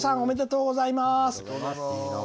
息子さん、おめでとうございます。